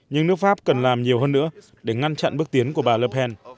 nhưng nước pháp cần làm nhiều hơn nữa để ngăn chặn bước tiến của bà le pen